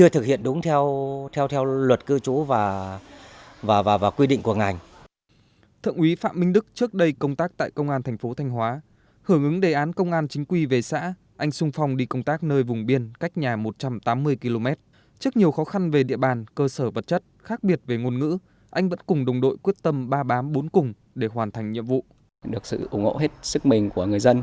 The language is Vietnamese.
thượng quý phạm minh đức trước đây công tác tại công an thành phố thanh hóa hưởng ứng đề án công an chính quy về xã anh sung phòng đi công tác nơi vùng biên cách nhà một trăm tám mươi km trước nhiều khó khăn về địa bàn cơ sở vật chất khác biệt về ngôn ngữ anh vẫn cùng đồng đội quyết tâm ba bám bốn cùng để hoàn thành nhiệm vụ